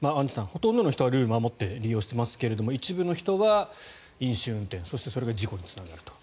ほとんどの人はルールを守って利用していますが一部の人は飲酒運転そしてそれが事故につながると。